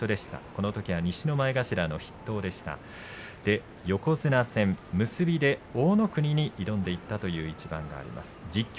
このときは西の前頭筆頭で横綱戦結びで大乃国に挑んでいった一番があります。